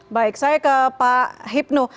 baik saya ke pak hipno